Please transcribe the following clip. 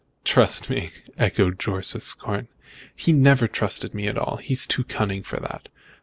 "Trust me!" echoed Jorce, with scorn. "He never trusted me at all. He is too cunning for that.